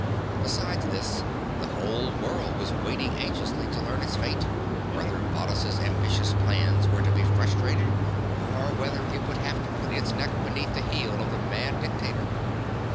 Besides this, the whole world was waiting anxiously to learn its fate, whether Varrhus' ambitious plans were to be frustrated or whether it would have to put its neck beneath the heel of the mad dictator.